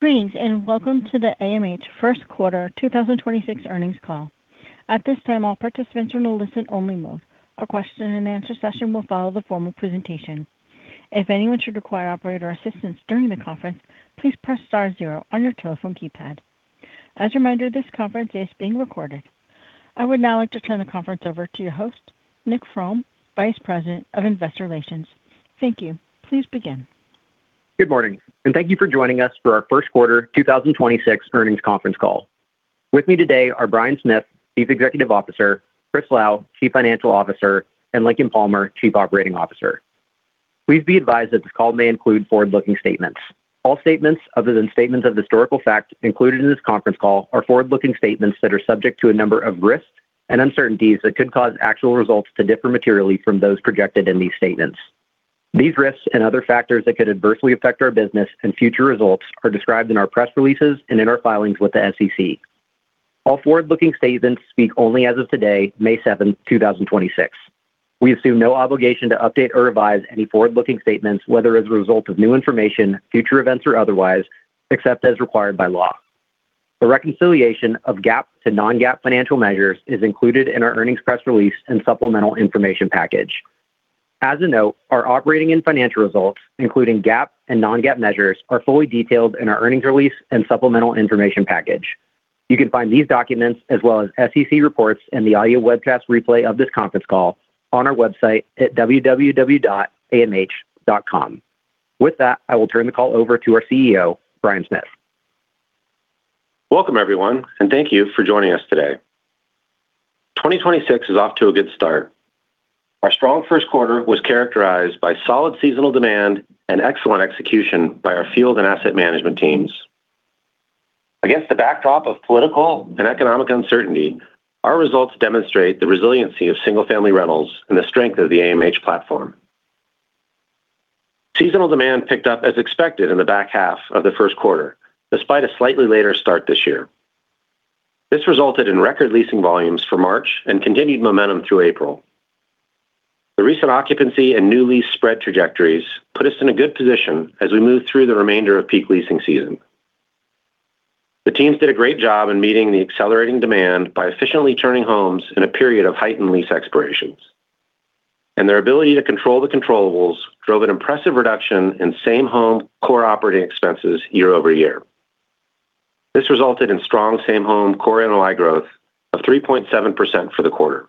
Greetings, and welcome to the AMH first quarter 2026 earnings call. At this time, all participants are in a listen-only mode. A question and answer session will follow the formal presentation. If anyone should require operator assistance during the conference, please press star zero on your telephone keypad. As a reminder, this conference is being recorded. I would now like to turn the conference over to your host, Nicholas Fromm, Vice President of Investor Relations. Thank you. Please begin. Good morning, and thank thank you for joining us for our first quarter 2026 earnings conference call. With me today are Bryan Smith, Chief Executive Officer, Chris Lau, Chief Financial Officer, and Lincoln Palmer, Chief Operating Officer. Please be advised that this call may include forward-looking statements. All statements other than statements of historical fact included in this conference call are forward-looking statements that are subject to a number of risks and uncertainties that could cause actual results to differ materially from those projected in these statements. These risks and other factors that could adversely affect our business and future results are described in our press releases and in our filings with the SEC. All forward-looking statements speak only as of today, May 7th, 2026. We assume no obligation to update or revise any forward-looking statements, whether as a result of new information, future events, or otherwise, except as required by law. The reconciliation of GAAP to non-GAAP financial measures is included in our earnings press release and supplemental information package. As a note, our operating and financial results, including GAAP and non-GAAP measures, are fully detailed in our earnings release and supplemental information package. You can find these documents as well as SEC reports and the audio webcast replay of this conference call on our website at www.amh.com. With that, I will turn the call over to our CEO, Bryan Smith. Welcome, everyone, and thank you for joining us today. 2026 is off to a good start. Our strong first quarter was characterized by solid seasonal demand and excellent execution by our field and asset management teams. Against the backdrop of political and economic uncertainty, our results demonstrate the resiliency of single-family rentals and the strength of the AMH platform. Seasonal demand picked up as expected in the back half of the first quarter, despite a slightly later start this year. This resulted in record leasing volumes for March and continued momentum through April. The recent occupancy and new lease spread trajectories put us in a good position as we move through the remainder of peak leasing season. The teams did a great job in meeting the accelerating demand by efficiently turning homes in a period of heightened lease expirations. Their ability to control the controllables drove an impressive reduction in same-home Core operating expenses year-over-year. This resulted in strong same-home Core NOI growth of 3.7% for the quarter.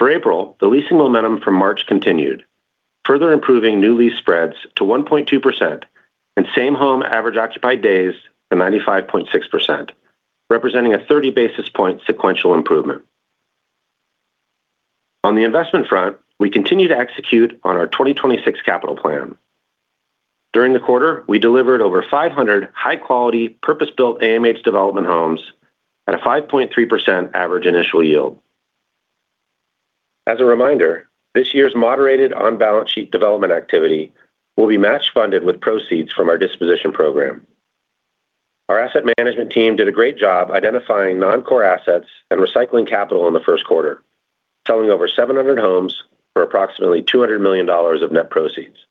For April, the leasing momentum from March continued, further improving new lease spreads to 1.2% and same-home average occupied days to 95.6%, representing a 30 basis point sequential improvement. On the investment front, we continue to execute on our 2026 capital plan. During the quarter, we delivered over 500 high-quality, purpose-built AMH development homes at a 5.3% average initial yield. As a reminder, this year's moderated on-balance sheet development activity will be match funded with proceeds from our disposition program. Our asset management team did a great job identifying non-core assets and recycling capital in the first quarter, selling over 700 homes for approximately $200 million of net proceeds.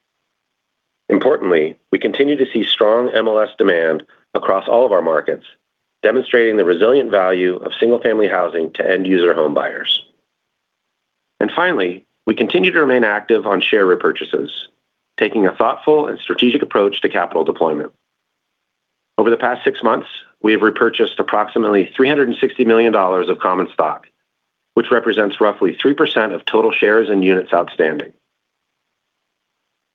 Importantly, we continue to see strong MLS demand across all of our markets, demonstrating the resilient value of single-family housing to end user home buyers. Finally, we continue to remain active on share repurchases, taking a thoughtful and strategic approach to capital deployment. Over the past six months, we have repurchased approximately $360 million of common stock, which represents roughly 3% of total shares and units outstanding.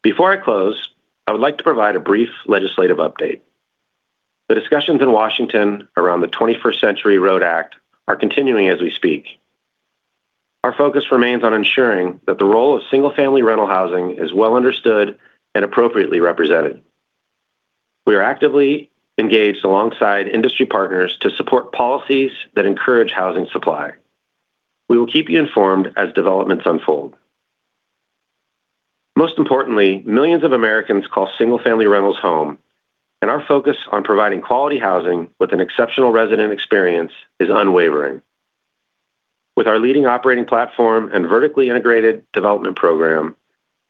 Before I close, I would like to provide a brief legislative update. The discussions in Washington around the 21st Century ROAD Act are continuing as we speak. Our focus remains on ensuring that the role of single-family rental housing is well understood and appropriately represented. We are actively engaged alongside industry partners to support policies that encourage housing supply. We will keep you informed as developments unfold. Most importantly, millions of Americans call single-family rentals home, and our focus on providing quality housing with an exceptional resident experience is unwavering. With our leading operating platform and vertically integrated development program,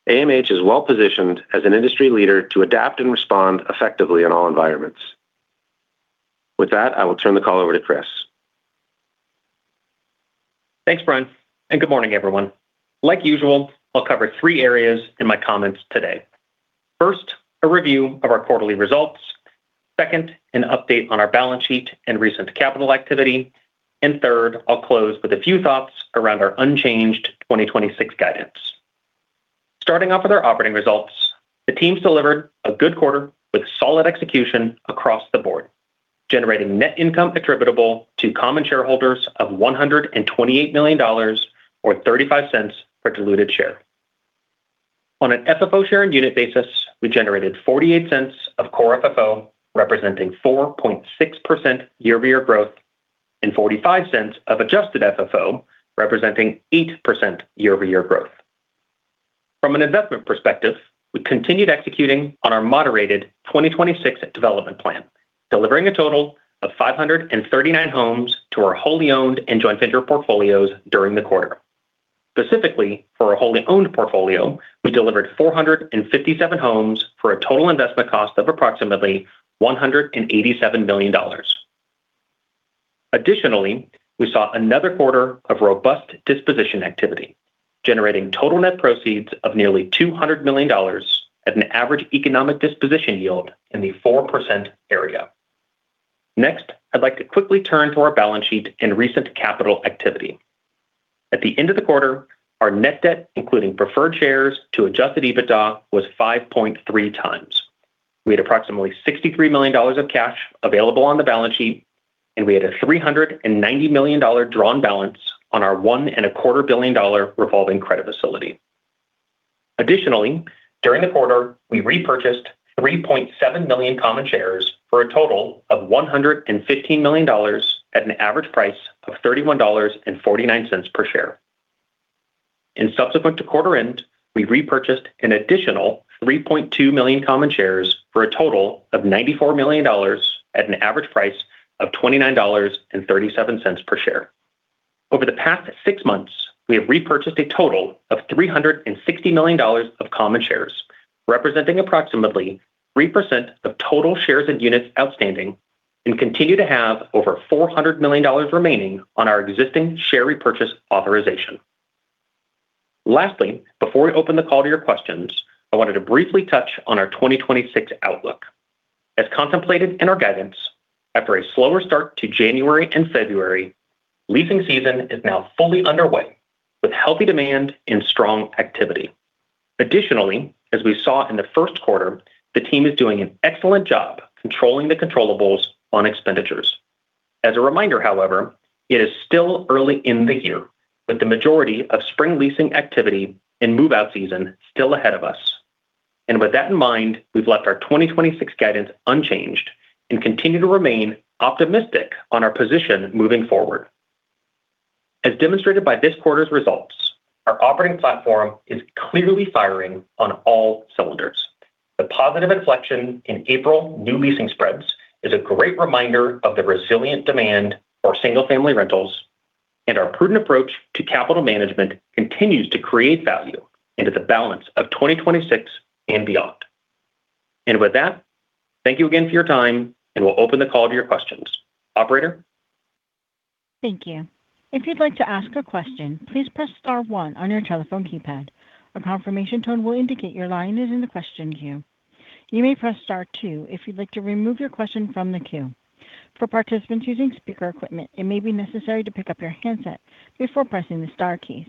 AMH is well-positioned as an industry leader to adapt and respond effectively in all environments. With that, I will turn the call over to Chris. Thanks, Bryan, and good morning, everyone. Like usual, I'll cover three areas in my comments today. First, a review of our quarterly results. Second, an update on our balance sheet and recent capital activity. Third, I'll close with a few thoughts around our unchanged 2026 guidance. Starting off with our operating results, the teams delivered a good quarter with solid execution across the board, generating net income attributable to common shareholders of $128 million or $0.35 per diluted share. On an FFO share and unit basis, we generated $0.48 of Core FFO, representing 4.6% year-over-year growth, and $0.45 of Adjusted FFO, representing 8% year-over-year growth. From an investment perspective, we continued executing on our moderated 2026 development plan, delivering a total of 539 homes to our wholly owned and joint venture portfolios during the quarter. Specifically, for our wholly owned portfolio, we delivered 457 homes for a total investment cost of approximately $187 million. Additionally, we saw another quarter of robust disposition activity, generating total net proceeds of nearly $200 million at an average economic disposition yield in the 4% area. Next, I'd like to quickly turn to our balance sheet and recent capital activity. At the end of the quarter, our net debt, including preferred shares to Adjusted EBITDA, was 5.3x. We had approximately $63 million of cash available on the balance sheet, and we had a $390 million drawn balance on our one and a quarter billion dollar revolving credit facility. Additionally, during the quarter, we repurchased 3.7 million common shares for a total of $115 million at an average price of $31.49 per share. Subsequent to quarter end, we repurchased an additional 3.2 million common shares for a total of $94 million at an average price of $29.37 per share. Over the past six months, we have repurchased a total of $360 million of common shares, representing approximately 3% of total shares and units outstanding, and continue to have over $400 million remaining on our existing share repurchase authorization. Lastly, before we open the call to your questions, I wanted to briefly touch on our 2026 outlook. As contemplated in our guidance, after a slower start to January and February, leasing season is now fully underway with healthy demand and strong activity. Additionally, as we saw in the first quarter, the team is doing an excellent job controlling the controllables on expenditures. As a reminder, however, it is still early in the year, with the majority of spring leasing activity and move-out season still ahead of us. With that in mind, we've left our 2026 guidance unchanged and continue to remain optimistic on our position moving forward. As demonstrated by this quarter's results, our operating platform is clearly firing on all cylinders. The positive inflection in April new leasing spreads is a great reminder of the resilient demand for single-family rentals, and our prudent approach to capital management continues to create value into the balance of 2026 and beyond. With that, thank you again for your time, and we'll open the call to your questions. Operator? Thank you. If you'd like to ask a question, please press star one on your telephone keypad. A confirmation tone will indicate your line is in the question queue. You may press star two if you'd like to remove your question from the queue. For participants using speaker equipment, it may be necessary to pick up your handset before pressing the star keys.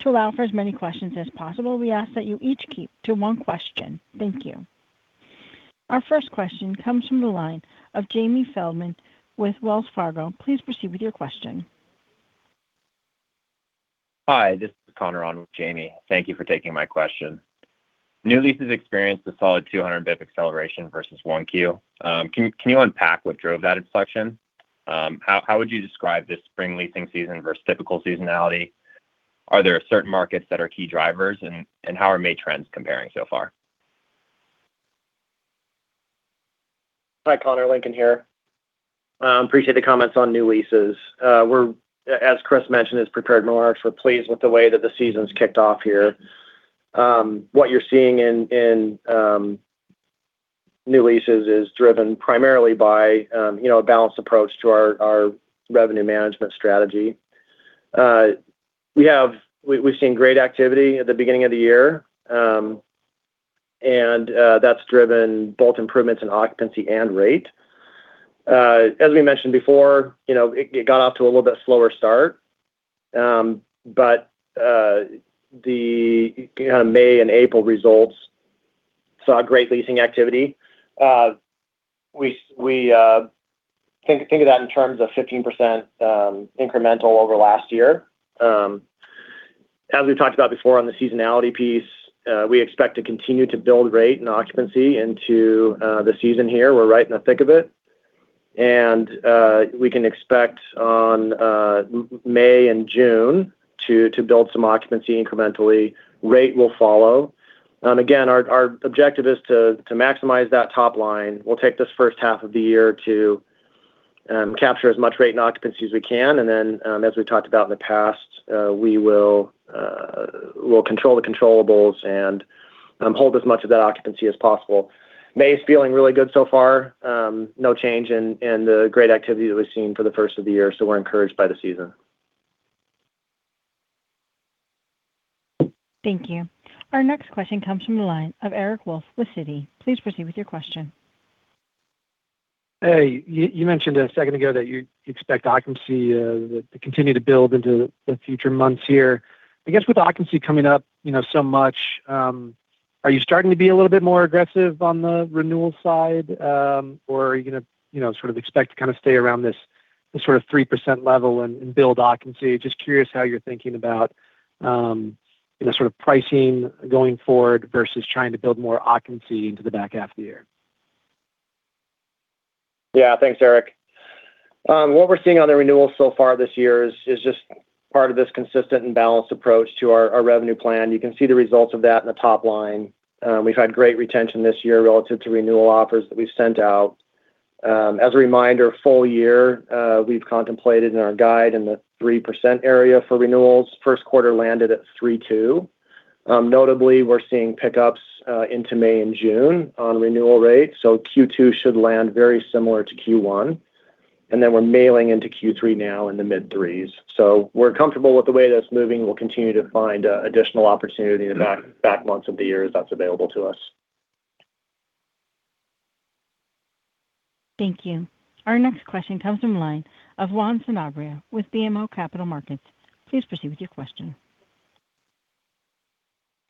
To allow for as many questions as possible, we ask that you each keep to one question. Thank you. Our first question comes from the line of Jamie Feldman with Wells Fargo. Please proceed with your question. Hi, this is Connor on with Jamie. Thank you for taking my question. New leases experienced a solid 200 basis point acceleration versus 1Q. Can you unpack what drove that inflection? How would you describe this spring leasing season versus typical seasonality? Are there certain markets that are key drivers and how are May trends comparing so far? Hi, Connor. Lincoln here. Appreciate the comments on new leases. As Chris mentioned, as prepared remarks, we're pleased with the way that the season's kicked off here. What you're seeing in new leases is driven primarily by a balanced approach to our revenue management strategy. We've seen great activity at the beginning of the year, and that's driven both improvements in occupancy and rate. As we mentioned before it got off to a little bit slower start, but the May and April results saw great leasing activity. We think of that in terms of 15% incremental over last year. As we've talked about before on the seasonality piece, we expect to continue to build rate and occupancy into the season here. We're right in the thick of it. We can expect on May and June to build some occupancy incrementally. Rate will follow. Again, our objective is to maximize that top line. We'll take this first half of the year to capture as much rate and occupancy as we can. Then, as we've talked about in the past, we will control the controllables and hold as much of that occupancy as possible. May is feeling really good so far. No change in the great activity that we've seen for the first of the year, so we're encouraged by the season. Thank you. Our next question comes from the line of Eric Wolfe with Citi. Please proceed with your question. Hey, you mentioned a second ago that you expect occupancy to continue to build into the future months here. I guess with occupancy coming up so much, are you starting to be a little bit more aggressive on the renewal side? Are you gonna sort of expect to kind of stay around this sort of 3% level and build occupancy? Just curious how you're thinking about sort of pricing going forward versus trying to build more occupancy into the back half of the year. Yeah. Thanks, Eric. What we're seeing on the renewals so far this year is just part of this consistent and balanced approach to our revenue plan. You can see the results of that in the top line. We've had great retention this year relative to renewal offers that we've sent out. As a reminder, full year, we've contemplated in our guide in the 3% area for renewals. First quarter landed at 3.2%. Notably, we're seeing pickups into May and June on renewal rates. Q2 should land very similar to Q1. We're mailing into Q3 now in the mid-3s. We're comfortable with the way that's moving. We'll continue to find additional opportunity in the back months of the year as that's available to us. Thank you. Our next question comes from line of Juan Sanabria with BMO Capital Markets. Please proceed with your question.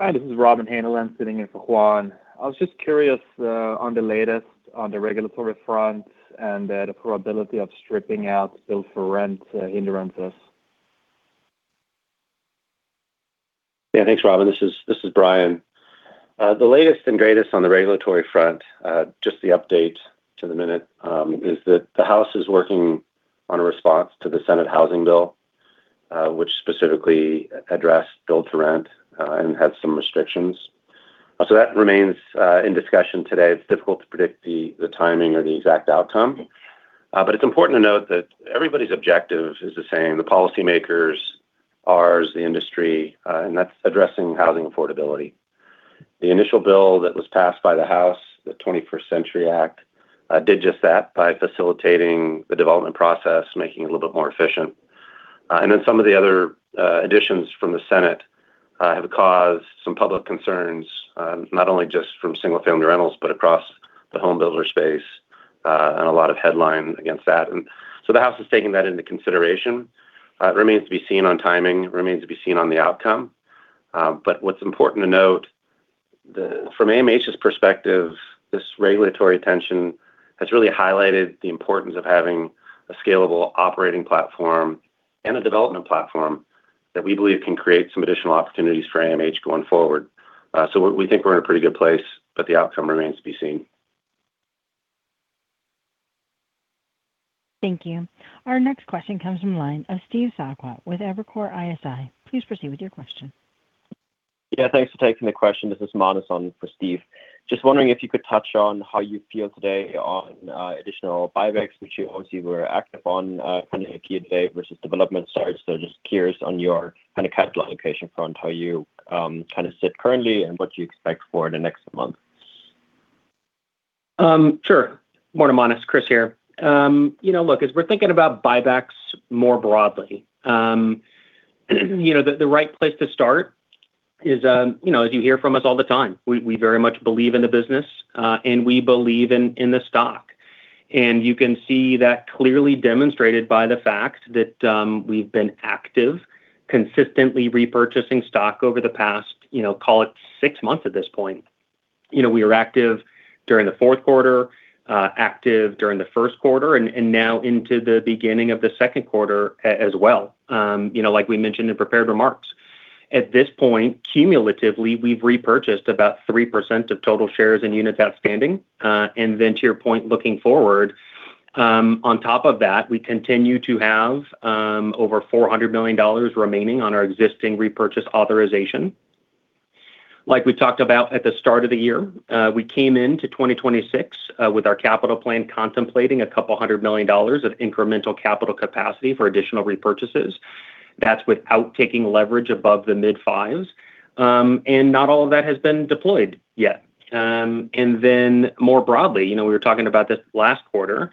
Hi, this is Robin Haneland sitting in for Juan. I was just curious on the latest on the regulatory front and the probability of stripping out build-to-rent into rentals? Thanks, Robin. This is Bryan. The latest and greatest on the regulatory front, just the update to the minute, is that the House is working on a response to the Senate housing bill, which specifically addressed build-to-rent and had some restrictions. That remains in discussion today. It's difficult to predict the timing or the exact outcome. It's important to note that everybody's objective is the same, the policymakers, ours, the industry, and that's addressing housing affordability. The initial bill that was passed by the House, the 21st Century Act, did just that by facilitating the development process, making it a little bit more efficient. Then some of the other additions from the Senate have caused some public concerns, not only just from single-family rentals, but across the home builder space, and a lot of headline against that. The House is taking that into consideration. It remains to be seen on timing, remains to be seen on the outcome. What's important to note, from AMH's perspective, this regulatory tension has really highlighted the importance of having a scalable operating platform and a development platform that we believe can create some additional opportunities for AMH going forward. We think we're in a pretty good place, but the outcome remains to be seen. Thank you. Our next question comes from line of Steve Sakwa with Evercore ISI. Please proceed with your question. Yeah, thanks for taking the question. This is Manus on for Steve. Just wondering if you could touch on how you feel today on additional buybacks, which you obviously were active on, kind of Q today versus development starts. Just curious on your kind of capital allocation front, how you kind of sit currently and what you expect for the next month. Sure. Morning, Manus. Chris here. Look, as we're thinking about buybacks more broadly the right place to start isas you hear from us all the time, we very much believe in the business, and we believe in the stock. You can see that clearly demonstrated by the fact that we've been active, consistently repurchasing stock over the past call it six months at this point. We are active during the fourth quarter, active during the first quarter, and now into the beginning of the second quarter as well. Like we mentioned in prepared remarks. At this point, cumulatively, we've repurchased about 3% of total shares and units outstanding. To your point, looking forward, on top of that, we continue to have over $400 million remaining on our existing repurchase authorization. Like we talked about at the start of the year, we came into 2026 with our capital plan contemplating $200 million of incremental capital capacity for additional repurchases. That's without taking leverage above the mid-5s. Not all of that has been deployed yet. More broadly we were talking about this last quarter.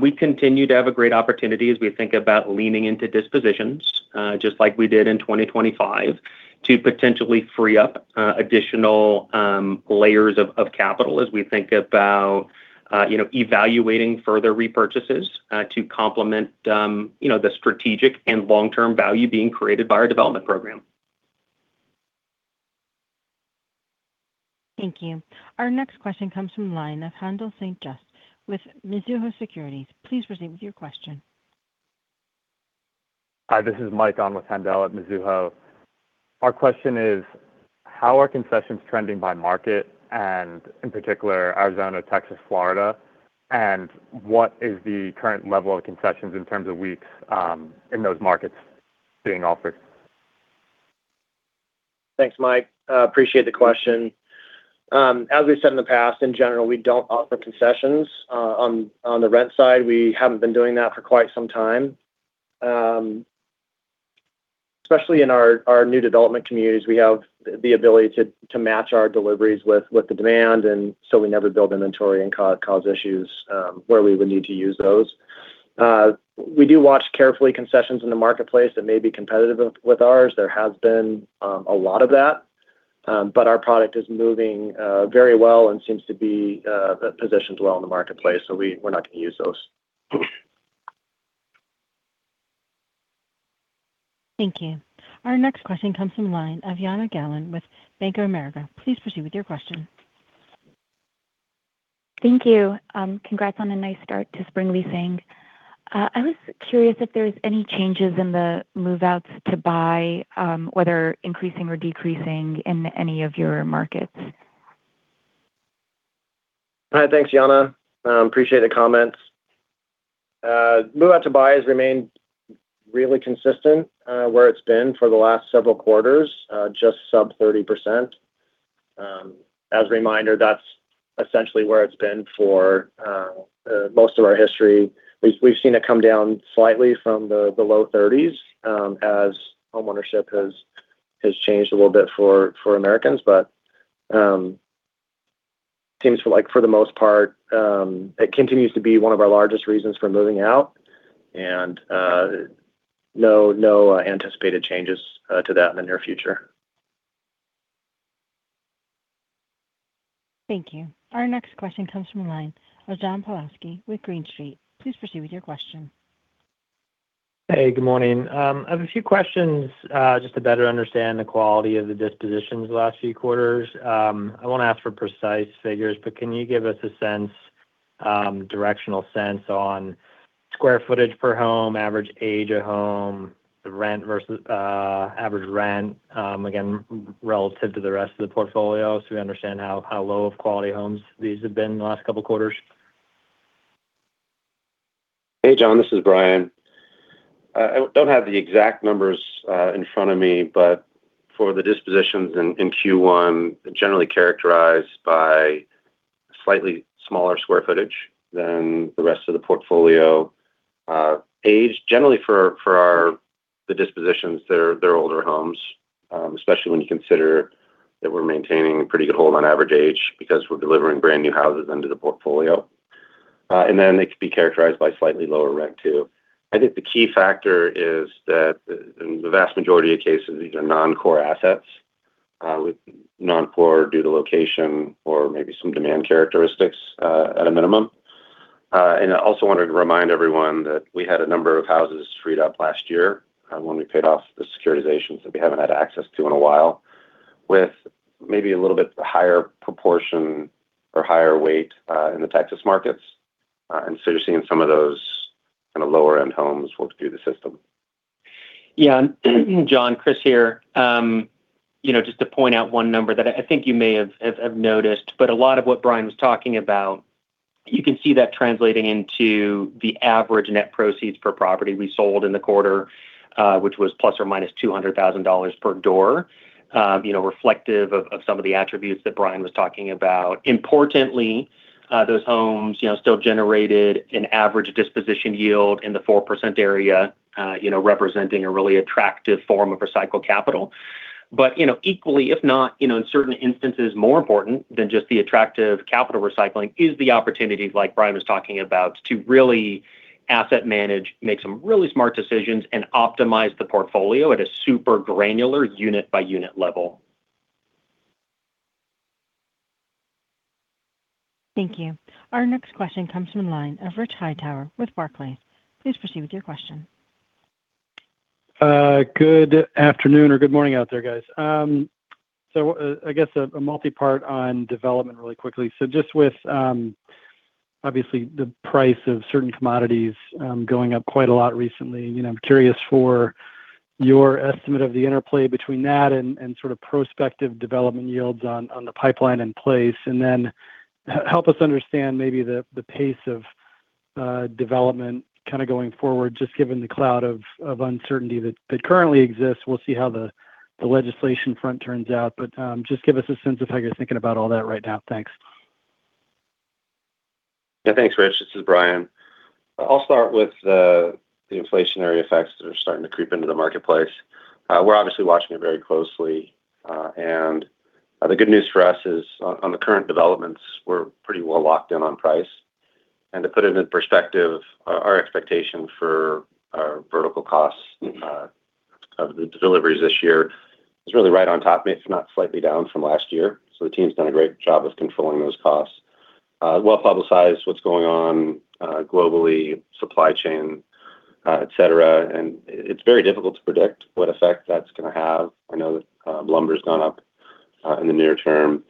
we continue to have a great opportunity as we think about leaning into dispositions, just like we did in 2025, to potentially free up additional layers of capital as we think about evaluating further repurchases, to complement the strategic and long-term value being created by our development program. Thank you. Our next question comes from line of Haendel St. Juste with Mizuho Securities. Please proceed with your question. Hi, this is Mike on with Haendel at Mizuho. Our question is, how are concessions trending by market, and in particular, Arizona, Texas, Florida? What is the current level of concessions in terms of weeks, in those markets being offered? Thanks, Mike. Appreciate the question. As we said in the past, in general, we don't offer concessions on the rent side. We haven't been doing that for quite some time. Especially in our new development communities, we have the ability to match our deliveries with the demand. We never build inventory and cause issues where we would need to use those. We do watch carefully concessions in the marketplace that may be competitive with ours. There has been a lot of that. Our product is moving very well and seems to be positioned well in the marketplace. We're not gonna use those. Thank you. Our next question comes from line of Jana Galan with Bank of America. Please proceed with your question. Thank you. Congrats on a nice start to spring leasing. I was curious if there's any changes in the move-outs to buy, whether increasing or decreasing in any of your markets. Hi, thanks, Jana, appreciate the comments. Move out to buy has remained really consistent where it's been for the last several quarters, just sub 30%. As a reminder, that's essentially where it's been for most of our history. We've seen it come down slightly from the low 30s as homeownership has changed a little bit for Americans. Seems like for the most part, it continues to be one of our largest reasons for moving out and no anticipated changes to that in the near future. Thank you. Our next question comes from the line of John Pawlowski with Green Street. Please proceed with your question. Hey, good morning. I have a few questions just to better understand the quality of the dispositions the last few quarters. I won't ask for precise figures, but can you give us a sense, directional sense on square footage per home, average age of home, the rent versus average rent, again, relative to the rest of the portfolio so we understand how low of quality homes these have been in the last couple quarters? Hey, John, this is Bryan. I don't have the exact numbers in front of me, but for the dispositions in Q1, generally characterized by slightly smaller square footage than the rest of the portfolio. Age, generally for the dispositions, they're older homes, especially when you consider that we're maintaining a pretty good hold on average age because we're delivering brand-new houses into the portfolio. They could be characterized by slightly lower rent too. I think the key factor is that in the vast majority of cases, these are non-core assets, with non-core due to location or maybe some demand characteristics at a minimum. I also wanted to remind everyone that we had a number of houses freed up last year, when we paid off the securitizations that we haven't had access to in a while, with maybe a little bit higher proportion or higher weight, in the Texas markets. You're seeing some of those kind of lower-end homes work through the system. Yeah. John, Chris here. Just to point out one number that I think you may have noticed, but a lot of what Bryan was talking about, you can see that translating into the average net proceeds per property we sold in the quarter, which was plus or minus $200,000 per door. Reflective of some of the attributes that Bryan was talking about. Importantly, those homes still generated an average disposition yield in the 4% area representing a really attractive form of recycled capital. But equally, if not in certain instances, more important than just the attractive capital recycling is the opportunity, like Bryan was talking about, to really asset manage, make some really smart decisions, and optimize the portfolio at a super granular unit-by-unit level. Thank you. Our next question comes from the line of Rich Hightower with Barclays. Please proceed with your question. Good afternoon or good morning out there, guys. I guess a multipart on development really quickly. Just with, obviously the price of certain commodities going up quite a lot recently I'm curious for your estimate of the interplay between that and sort of prospective development yields on the pipeline in place. Then help us understand maybe the pace of development kinda going forward, just given the cloud of uncertainty that currently exists. We'll see how the legislation front turns out, but just give us a sense of how you're thinking about all that right now. Thanks. Yeah, thanks, Rich. This is Bryan. I'll start with the inflationary effects that are starting to creep into the marketplace. We're obviously watching it very closely. The good news for us is on the current developments, we're pretty well locked in on price. To put it in perspective, our expectation for our vertical costs of the deliveries this year is really right on top, maybe it's not slightly down from last year. The team's done a great job of controlling those costs. Well-publicized what's going on globally, supply chain, et cetera. It's very difficult to predict what effect that's gonna have. I know that lumber's gone up in the near term.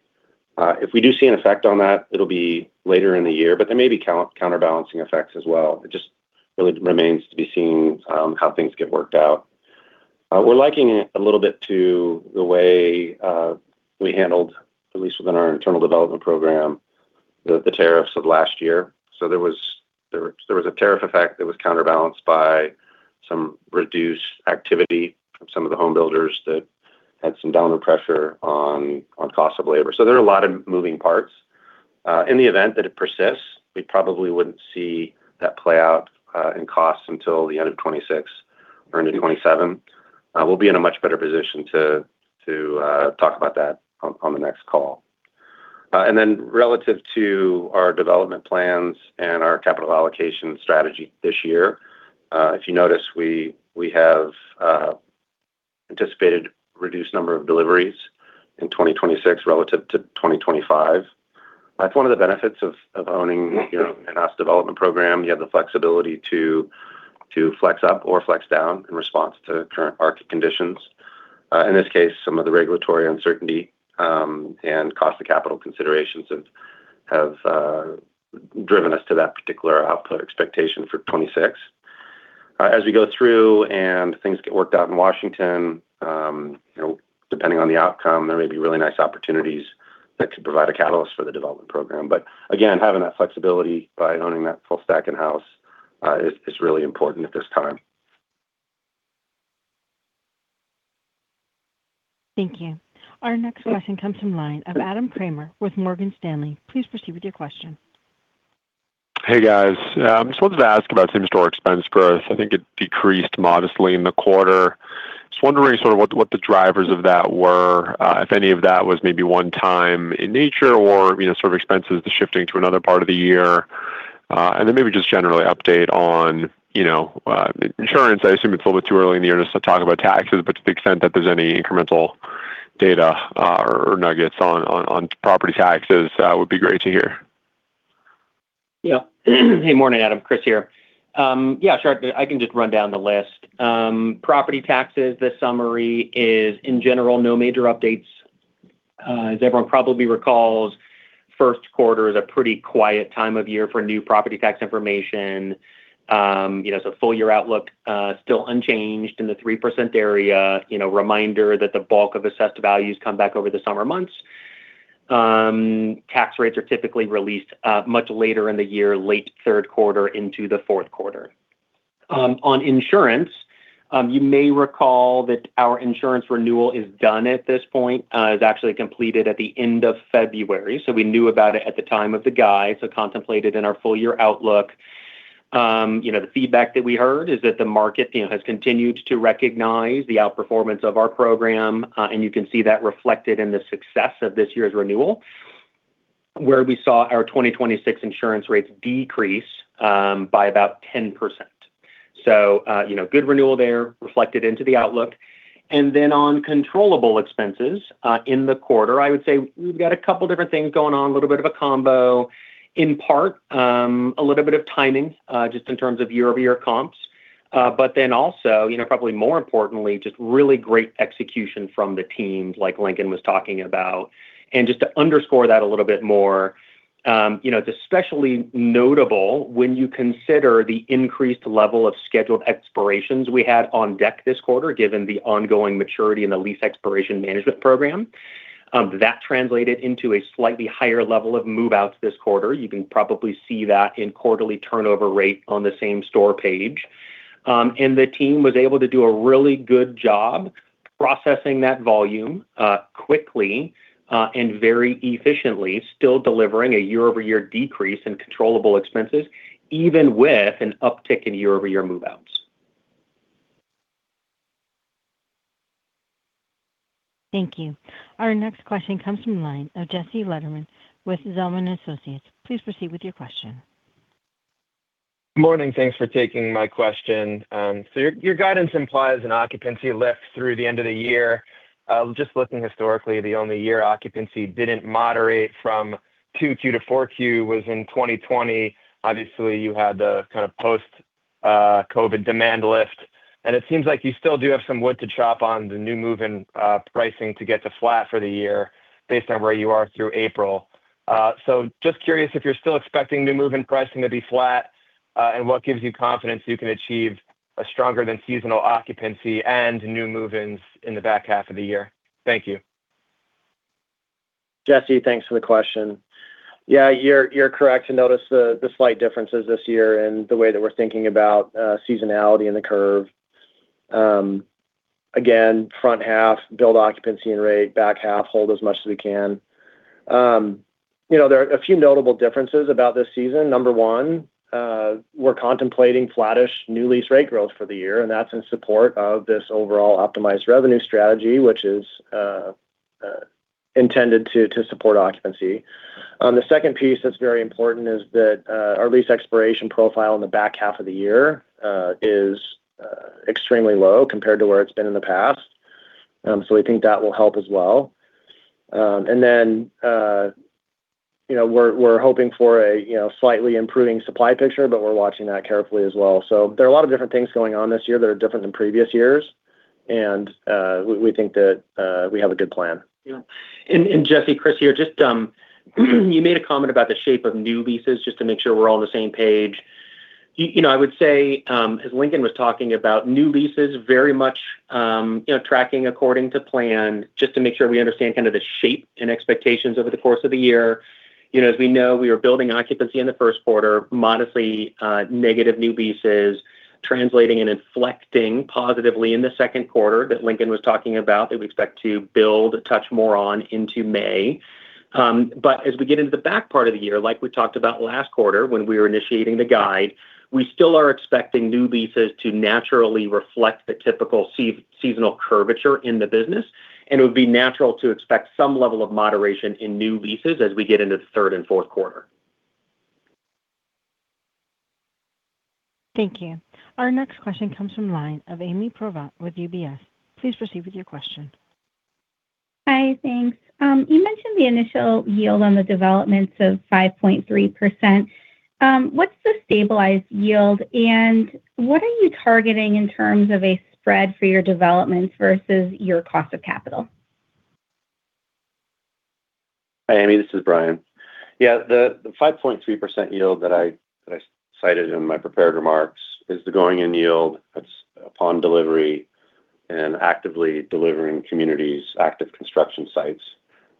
If we do see an effect on that, it'll be later in the year, but there may be counterbalancing effects as well. It just really remains to be seen how things get worked out. We're liking it a little bit to the way we handled, at least within our internal development program, the tariffs of last year. There was a tariff effect that was counterbalanced by some reduced activity from some of the home builders that had some downward pressure on cost of labor. In the event that it persists, we probably wouldn't see that play out in costs until the end of 26 or into 27. We'll be in a much better position to talk about that on the next call. Relative to our development plans and our capital allocation strategy this year, if you notice, we have anticipated reduced number of deliveries in 2026 relative to 2025. That's one of the benefits of owning an in-house development program. You have the flexibility to flex up or flex down in response to current market conditions. In this case, some of the regulatory uncertainty and cost of capital considerations have driven us to that particular output expectation for 2026. As we go through and things get worked out in Washington depending on the outcome, there may be really nice opportunities that could provide a catalyst for the development program. Again, having that flexibility by owning that full stack in-house, is really important at this time. Thank you. Our next question comes from line of Adam Kramer with Morgan Stanley. Please proceed with your question. Hey, guys. Just wanted to ask about same-store expense growth. I think it decreased modestly in the quarter. Just wondering sort of what the drivers of that were, if any of that was maybe one time in nature or sort of expenses shifting to another part of the year. Then maybe just generally update on insurance. I assume it's a little bit too early in the year just to talk about taxes. To the extent that there's any incremental data, or nuggets on property taxes, would be great to hear. Yeah. Hey, morning, Adam. Chris here. Yeah, sure. I can just run down the list. Property taxes, the summary is, in general, no major updates. As everyone probably recalls, first quarter is a pretty quiet time of year for new property tax information. So full year outlook, still unchanged in the 3% area. Reminder that the bulk of assessed values come back over the summer months. Tax rates are typically released, much later in the year, late third quarter into the fourth quarter. On insurance, you may recall that our insurance renewal is done at this point, it was actually completed at the end of February. We knew about it at the time of the guide, so contemplated in our full year outlook. The feedback that we heard is that the market has continued to recognize the outperformance of our program. You can see that reflected in the success of this year's renewal, where we saw our 2026 insurance rates decrease by about 10%. Good renewal there reflected into the outlook. On controllable expenses, in the quarter, I would say we've got a couple different things going on, a little bit of a combo. In part, a little bit of timing, just in terms of year-over-year comps. Also probably more importantly, just really great execution from the teams like Bryan Smith was talking about. Just to underscore that a little bit more it's especially notable when you consider the increased level of scheduled expirations we had on deck this quarter, given the ongoing maturity in the lease expiration management program. That translated into a slightly higher level of move-outs this quarter. You can probably see that in quarterly turnover rate on the same-store page. The team was able to do a really good job processing that volume quickly and very efficiently, still delivering a year-over-year decrease in controllable expenses, even with an uptick in year-over-year move-outs. Thank you. Our next question comes from line of Jesse Lederman with Zelman & Associates. Please proceed with your question. Morning. Thanks for taking my question. Your guidance implies an occupancy lift through the end of the year. Just looking historically, the only year occupancy didn't moderate from 2Q to 4Q was in 2020. Obviously, you had the kind of post-COVID demand lift. It seems like you still do have some wood to chop on the new move-in pricing to get to flat for the year based on where you are through April. Just curious if you're still expecting new move-in pricing to be flat, and what gives you confidence you can achieve a stronger than seasonal occupancy and new move-ins in the back half of the year? Thank you. Jesse, thanks for the question. Yeah, you're correct to notice the slight differences this year in the way that we're thinking about seasonality and the curve. Again, front half, build occupancy and rate, back half, hold as much as we can. There are a few notable differences about this season. Number one, we're contemplating flattish new lease rate growth for the year, and that's in support of this overall optimized revenue strategy, which is intended to support occupancy. The second piece that's very important is that our lease expiration profile in the back half of the year is extremely low compared to where it's been in the past. We think that will help as well. We're hoping for a slightly improving supply picture, but we're watching that carefully as well. There are a lot of different things going on this year that are different than previous years, and we think that, we have a good plan. Jesse, Chris here. Just, you made a comment about the shape of new leases, just to make sure we're all on the same page. I would say, as Lincoln was talking about new leases, very much tracking according to plan, just to make sure we understand kind of the shape and expectations over the course of the year. As we know, we are building occupancy in the first quarter, modestly, negative new leases, translating and inflecting positively in the second quarter that Lincoln was talking about, that we expect to build a touch more on into May. As we get into the back part of the year, like we talked about last quarter when we were initiating the guide, we still are expecting new leases to naturally reflect the typical seasonal curvature in the business. It would be natural to expect some level of moderation in new leases as we get into the third and fourth quarter. Thank you. Our next question comes from line of Ami Probandt with UBS. Please proceed with your question. Hi, thanks. You mentioned the initial yield on the developments of 5.3%. What's the stabilized yield, and what are you targeting in terms of a spread for your developments versus your cost of capital? Hi, Ami. This is Bryan. The 5.3% yield that I cited in my prepared remarks is the going-in yield. That's upon delivery and actively delivering communities, active construction sites.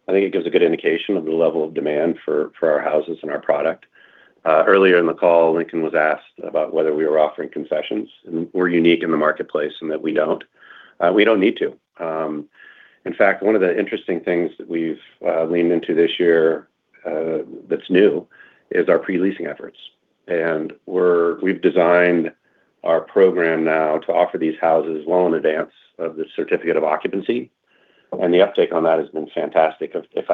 I think it gives a good indication of the level of demand for our houses and our product. Earlier in the call, Bryan Smith was asked about whether we were offering concessions. We're unique in the marketplace in that we don't. We don't need to. In fact, one of the interesting things that we've leaned into this year that's new is our pre-leasing efforts. We've designed our program now to offer these houses well in advance of the certificate of occupancy, and the uptake on that has been fantastic. If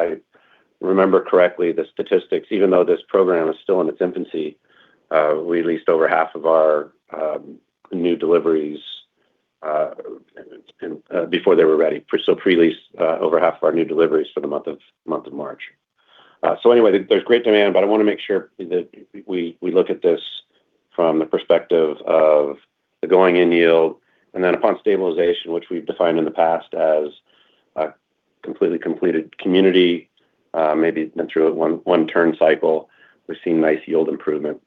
I remember correctly, the statistics, even though this program is still in its infancy, we leased over half of our new deliveries and before they were ready. Pre-leased over half of our new deliveries for the month of March. Anyway, there's great demand, I wanna make sure that we look at this from the perspective of the going-in yield, and then upon stabilization, which we've defined in the past as a completely completed community, maybe been through one turn cycle, we've seen nice yield improvement.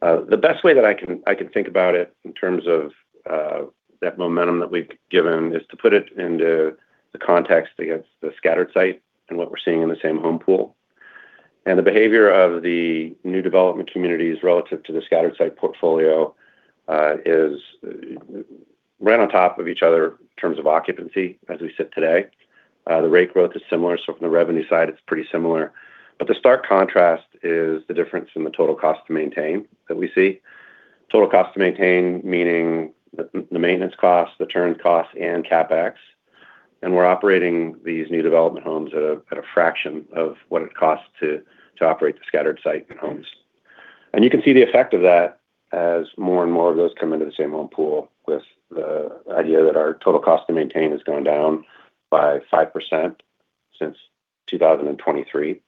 The best way that I can think about it in terms of that momentum that we've given is to put it into the context against the scattered site and what we're seeing in the same home pool. The behavior of the new development communities relative to the scattered site portfolio is right on top of each other in terms of occupancy as we sit today. The rate growth is similar, so from the revenue side, it's pretty similar. The stark contrast is the difference in the total cost to maintain that we see. Total cost to maintain meaning the maintenance costs, the turn costs, and CapEx. We're operating these new development homes at a fraction of what it costs to operate the scattered site homes. You can see the effect of that as more and more of those come into the same home pool with the idea that our total cost to maintain has gone down by 5% since 2023.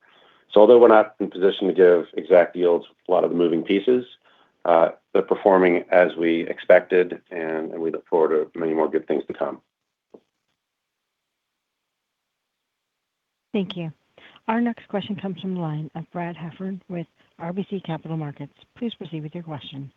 Although we're not in position to give exact yields, a lot of the moving pieces, they're performing as we expected and we look forward to many more good things to come. Thank you. Our next question comes from the line of Brad Heffern with RBC Capital Markets. Please proceed with your question.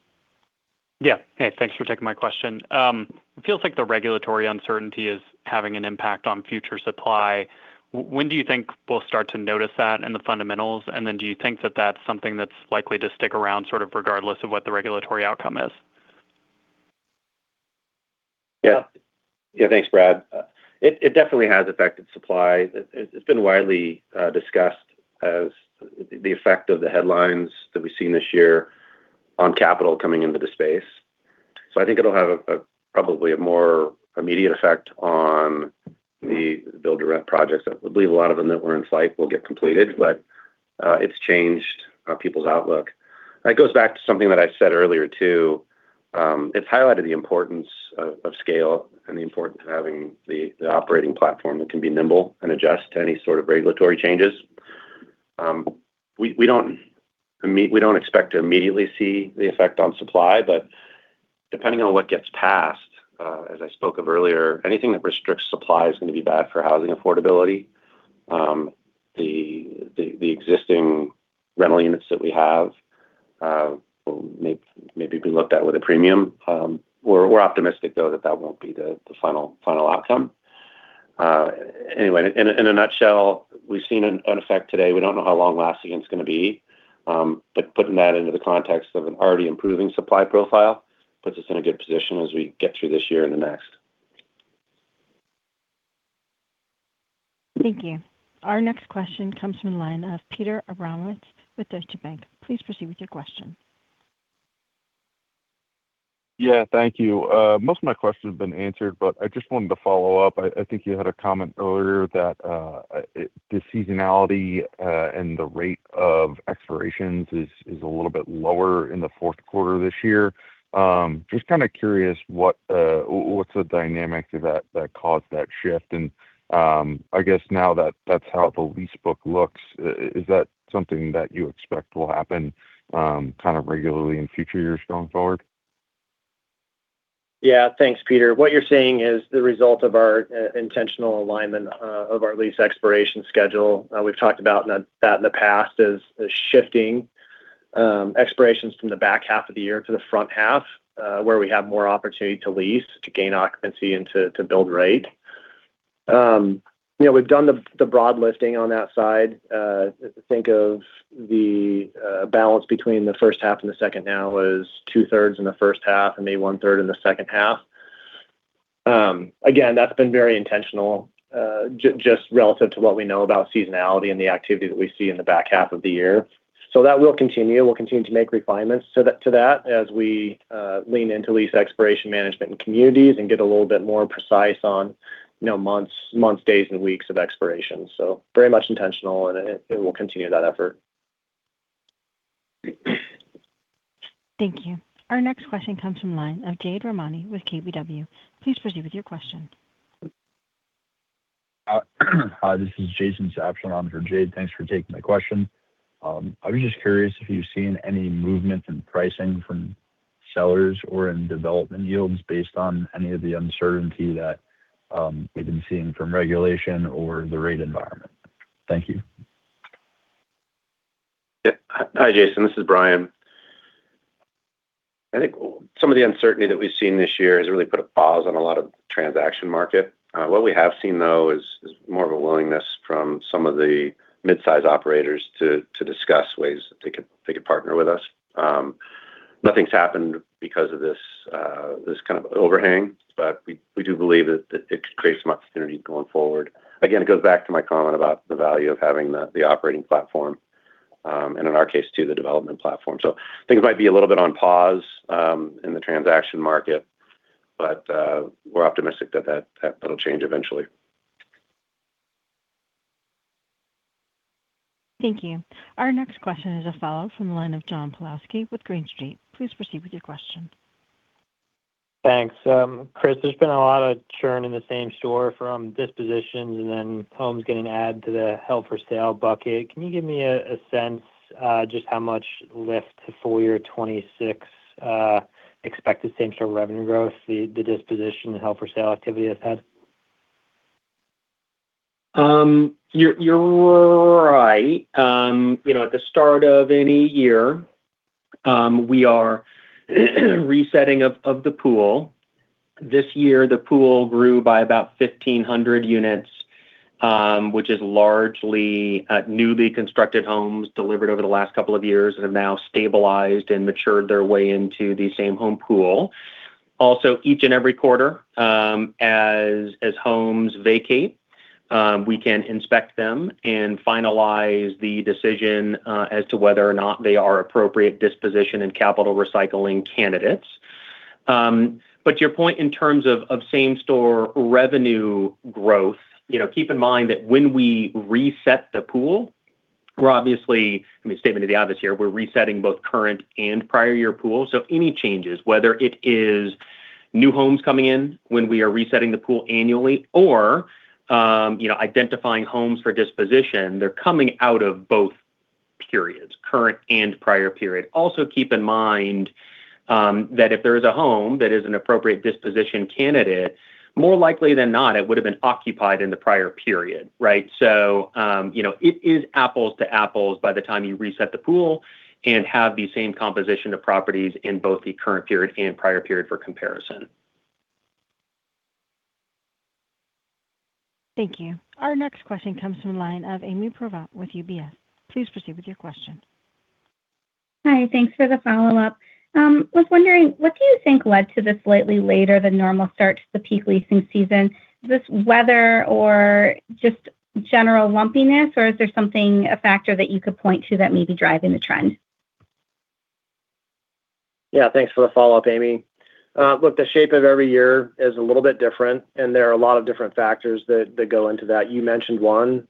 Yeah. Hey, thanks for taking my question. It feels like the regulatory uncertainty is having an impact on future supply. When do you think we'll start to notice that in the fundamentals? Do you think that that's something that's likely to stick around sort of regardless of what the regulatory outcome is? Yeah. Yeah, thanks, Brad. It definitely has affected supply. It's been widely discussed as the effect of the headlines that we've seen this year on capital coming into the space. I think it'll have a probably a more immediate effect on the build-to-rent projects. I believe a lot of them that were in sight will get completed, but it's changed people's outlook. That goes back to something that I said earlier too. It's highlighted the importance of scale and the importance of having the operating platform that can be nimble and adjust to any sort of regulatory changes. We don't expect to immediately see the effect on supply. Depending on what gets passed, as I spoke of earlier, anything that restricts supply is gonna be bad for housing affordability. The existing rental units that we have, will maybe be looked at with a premium. We're optimistic though that that won't be the final outcome. Anyway, in a nutshell, we've seen an effect today. We don't know how long-lasting it's gonna be. Putting that into the context of an already improving supply profile puts us in a good position as we get through this year and the next. Thank you. Our next question comes from the line of Peter Abramowitz with Deutsche Bank. Please proceed with your question. Yeah. Thank you. Most of my questions have been answered, I just wanted to follow up. I think you had a comment earlier that the seasonality and the rate of expirations is a little bit lower in the fourth quarter this year. Just kind of curious what what's the dynamics of that that caused that shift? I guess now that that's how the lease book looks, is that something that you expect will happen kind of regularly in future years going forward? Thanks, Peter. What you're seeing is the result of our intentional alignment of our lease expiration schedule. We've talked about that in the past as shifting expirations from the back half of the year to the front half, where we have more opportunity to lease, to gain occupancy, and to build rate. We've done the broad lifting on that side. To think of the balance between the first half and the second now is 2/3 in the first half and maybe 1/3 in the second half. Again, that's been very intentional, just relative to what we know about seasonality and the activity that we see in the back half of the year. That will continue. We'll continue to make refinements to that as we lean into lease expiration management in communities and get a little bit more precise on months, days, and weeks of expiration. Very much intentional and it will continue that effort. Thank you. Our next question comes from line of Jade Rahmani with KBW. Please proceed with your question. This is Jason Sabshon, shown under Jade. Thanks for taking my question. I was just curious if you've seen any movement in pricing from. sellers or in development yields based on any of the uncertainty that we've been seeing from regulation or the rate environment? Thank you. Hi, Jason. This is Bryan. I think some of the uncertainty that we've seen this year has really put a pause on a lot of transaction market. What we have seen though is more of a willingness from some of the mid-size operators to discuss ways that they could partner with us. Nothing's happened because of this kind of overhang, but we do believe that it could create some opportunity going forward. Again, it goes back to my comment about the value of having the operating platform, and in our case too, the development platform. Things might be a little bit on pause in the transaction market, but we're optimistic that'll change eventually. Thank you. Our next question is a follow from the line of John Pawlowski with Green Street. Please proceed with your question. Thanks. Chris, there's been a lot of churn in the same-store from dispositions and then homes getting added to the held-for-sale bucket. Can you give me a sense, just how much lift to full year 2026 expected same-store revenue growth the disposition held-for-sale activity has had? You're, you're right. At the start of any year, we are resetting of the pool. This year, the pool grew by about 1,500 units, which is largely newly constructed homes delivered over the last couple of years and have now stabilized and matured their way into the same home pool. Also, each and every quarter, as homes vacate, we can inspect them and finalize the decision as to whether or not they are appropriate disposition and capital recycling candidates. But to your point in terms of same-store revenue growth keep in mind that when we reset the pool, we're obviously I mean, statement of the obvious here, we're resetting both current and prior year pools. If any changes, whether it is new homes coming in when we are resetting the pool annually or identifying homes for disposition, they're coming out of both periods, current and prior period. Also keep in mind that if there is a home that is an appropriate disposition candidate, more likely than not, it would've been occupied in the prior period, right? It is apples to apples by the time you reset the pool and have the same composition of properties in both the current period and prior period for comparison. Thank you. Our next question comes from the line of Ami Probandt with UBS. Please proceed with your question. Hi. Thanks for the follow-up. I was wondering, what do you think led to the slightly later than normal start to the peak leasing season? Is this weather or just general lumpiness, or is there something, a factor that you could point to that may be driving the trend? Yeah. Thanks for the follow-up, Ami. Look, the shape of every year is a little bit different, and there are a lot of different factors that go into that. You mentioned one.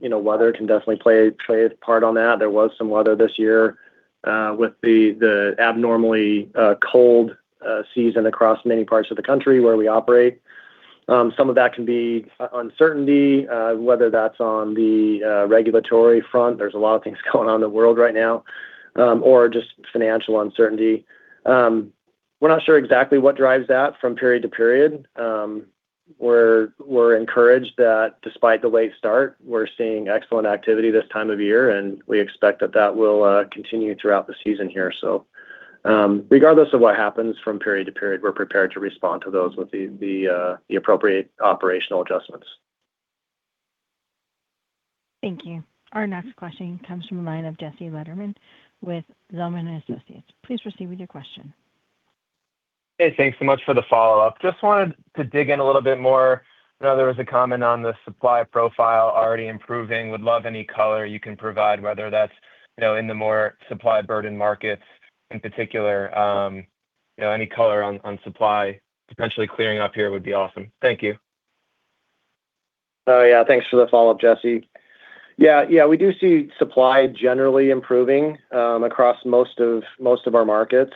Weather can definitely play a part on that. There was some weather this year, with the abnormally cold season across many parts of the country where we operate. Some of that can be uncertainty, whether that's on the regulatory front. There's a lot of things going on in the world right now. Or just financial uncertainty. We're not sure exactly what drives that from period to period. We're encouraged that despite the late start, we're seeing excellent activity this time of year, and we expect that will continue throughout the season here. Regardless of what happens from period to period, we're prepared to respond to those with the appropriate operational adjustments. Thank you. Our next question comes from the line of Jesse Lederman with Zelman & Associates. Please proceed with your question. Hey, thanks so much for the follow-up. Just wanted to dig in a little bit more. I know there was a comment on the supply profile already improving. Would love any color you can provide, whether that's in the more supply-burdened markets in particular. Any color on supply potentially clearing up here would be awesome. Thank you. Oh, yeah. Thanks for the follow-up, Jesse. Yeah, we do see supply generally improving across most of our markets.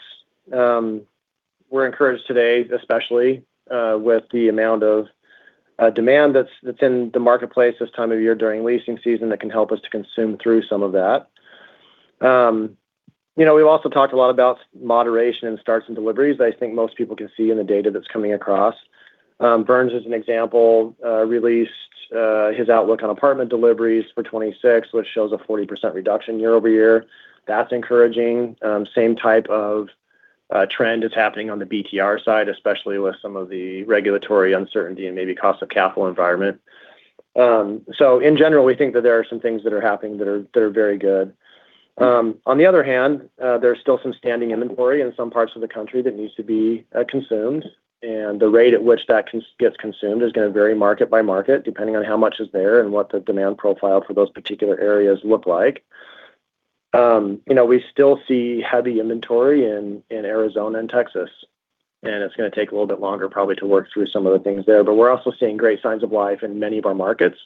We're encouraged today especially with the amount of demand that's in the marketplace this time of year during leasing season that can help us to consume through some of that. We've also talked a lot about moderation and starts and deliveries that I think most people can see in the data that's coming across. Burns, as an example, released his outlook on apartment deliveries for 2026, which shows a 40% reduction year-over-year. That's encouraging. Same type of trend is happening on the BTR side, especially with some of the regulatory uncertainty and maybe cost of capital environment. In general, we think that there are some things that are happening that are very good. On the other hand, there's still some standing inventory in some parts of the country that needs to be consumed, and the rate at which that gets consumed is gonna vary market by market, depending on how much is there and what the demand profile for those particular areas look like.we still see heavy inventory in Arizona and Texas, and it's gonna take a little bit longer probably to work through some of the things there. We're also seeing great signs of life in many of our markets.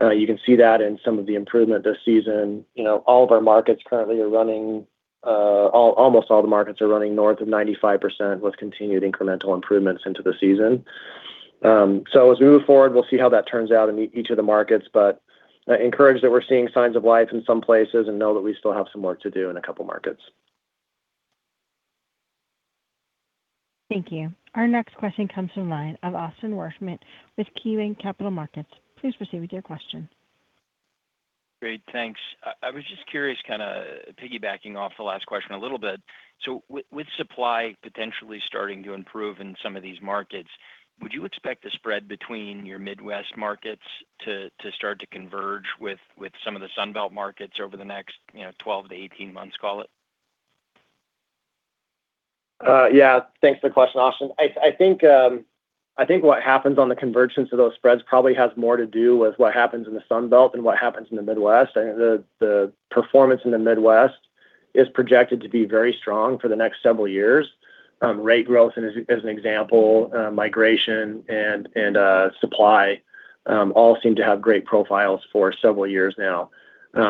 You can see that in some of the improvement this season. All of our markets currently are running, almost all the markets are running north of 95% with continued incremental improvements into the season. As we move forward, we'll see how that turns out in each of the markets. Encouraged that we're seeing signs of life in some places and know that we still have some work to do in a couple markets. Thank you. Our next question comes from line of Austin Wurschmidt with KeyBanc Capital Markets. Please proceed with your question. Great, thanks. I was just curious, kinda piggybacking off the last question a little bit. With supply potentially starting to improve in some of these markets, would you expect the spread between your Midwest markets to start to converge with some of the Sun Belt markets over the next 12 to 18 months, call it? Yeah. Thanks for the question, Austin Wurschmidt. I think, I think what happens on the convergence of those spreads probably has more to do with what happens in the Sun Belt than what happens in the Midwest. I think the performance in the Midwest is projected to be very strong for the next several years. Rate growth and as an example, migration and supply, all seem to have great profiles for several years now.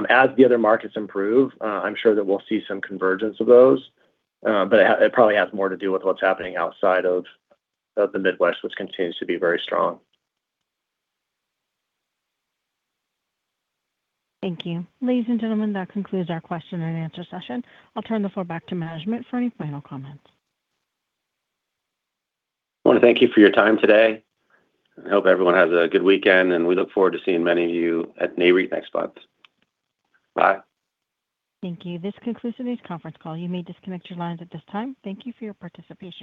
As the other markets improve, I'm sure that we'll see some convergence of those. But it probably has more to do with what's happening outside of the Midwest, which continues to be very strong. Thank you. Ladies and gentlemen, that concludes our question and answer session. I will turn the floor back to management for any final comments. I wanna thank you for your time today. I hope everyone has a good weekend, and we look forward to seeing many of you at Nareit next month. Bye. Thank you. This concludes today's conference call. You may disconnect your lines at this time. Thank you for your participation.